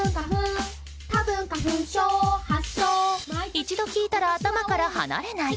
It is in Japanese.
一度聴いたら頭から離れない！